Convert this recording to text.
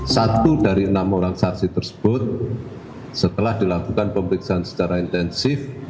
satu dari enam orang saksi tersebut setelah dilakukan pemeriksaan secara intensif